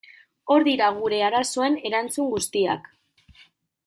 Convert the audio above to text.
Hor dira gure arazoen erantzun guziak.